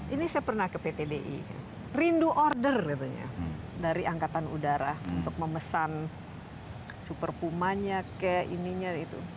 ini saya pernah ke pt di rindu order katanya dari angkatan udara untuk memesan super pumanya ke ininya itu